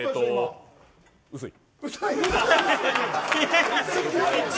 薄い。